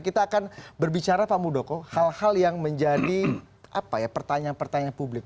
kita akan berbicara pak mudoko hal hal yang menjadi pertanyaan pertanyaan publik